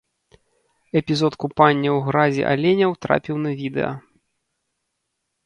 Эпізод купання ў гразі аленяў трапіў на відэа.